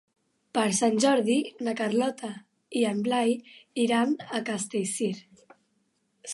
Per Sant Jordi na Carlota i en Blai iran a Castellcir.